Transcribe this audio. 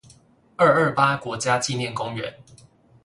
二二八國家紀念公園